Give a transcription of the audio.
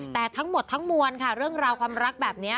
แต่ทั้งหมดทั้งมวลค่ะเรื่องราวความรักแบบนี้